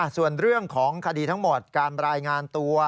ส่วนเรื่องของคดีทั้งหมดการรายงานตัว